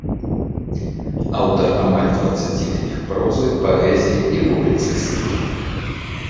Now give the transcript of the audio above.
Аўтар амаль дваццаці кніг прозы, паэзіі і публіцыстыкі.